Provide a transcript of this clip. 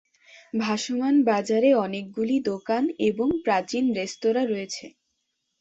ভাসমান বাজারে অনেকগুলি দোকান এবং প্রাচীন রেস্তোঁরা রয়েছে।